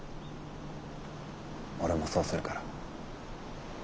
俺もそうするから。